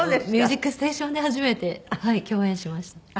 『ミュージックステーション』で初めて共演しました。